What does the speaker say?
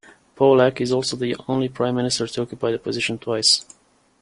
Pawlak is also the only prime minister to occupy the position twice.